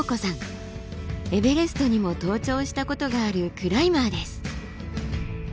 エベレストにも登頂したことがあるクライマーです。